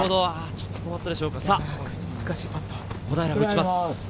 小平が打ちます。